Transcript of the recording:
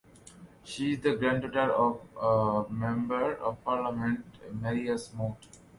She is the granddaughter of Member of Parliament Marius Moutet.